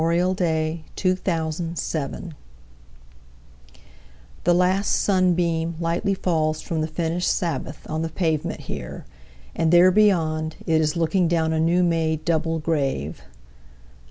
Dirge for Two Veterans 1THE LAST sunbeamLightly falls from the finish'd Sabbath, On the pavement here—and there beyond, it is looking, Down a new made double grave.